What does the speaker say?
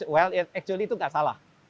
well it actually itu nggak salah